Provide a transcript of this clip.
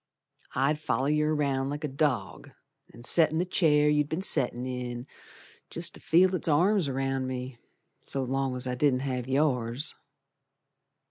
I'd foller yer around like a dog, An' set in the chair you'd be'n settin' in, Jest to feel its arms around me, So long's I didn't have yours.